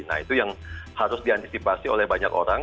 nah itu yang harus diantisipasi oleh banyak orang